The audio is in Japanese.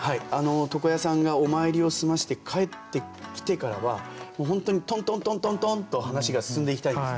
床屋さんがお参りを済ませて帰ってきてからは本当にトントントントントンと話が進んでいきたいんです。